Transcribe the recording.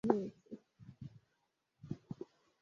অতএব বেশ করে পাইপ টানছি এবং তার ফল ভালই হয়েছে।